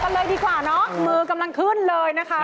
เลยดีกว่าเนอะมือกำลังขึ้นเลยนะคะ